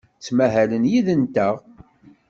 Ttmahalen yid-nteɣ.